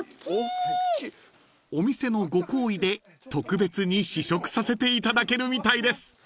［お店のご厚意で特別に試食させていただけるみたいです］